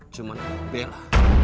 cuman dengan bella